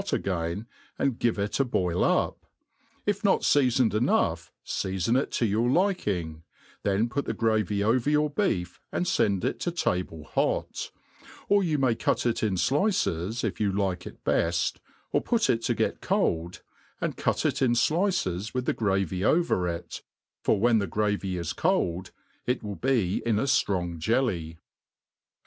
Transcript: again, and give it a boil up ; if not feafoned enough, feafon it to your liking ; then put the gravy over your beef, and fend it to table hot; or you may cut it in dices if you like it beft, or pot it to get cold, and cut it in dices with the gravy over it| for whea the gravy is cold, it will be in a ftrong jelly.